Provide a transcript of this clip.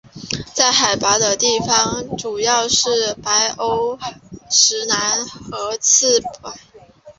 在海拔的地方主要是白欧石楠和刺柏。